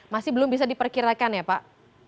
masih belum bisa diperkirakan ya pak